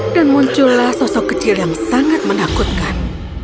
dan muncullah sosok kecil yang sangat menakutkan